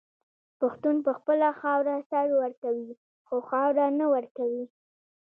پښتون په خپله خاوره سر ورکوي خو خاوره نه ورکوي.